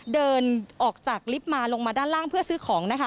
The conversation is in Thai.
เดินออกจากลิฟต์มาลงมาด้านล่างเพื่อซื้อของนะคะ